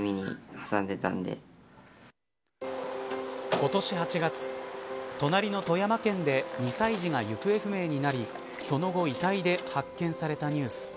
今年８月隣の富山県で２歳児が行方不明になりその後遺体で発見されたニュース。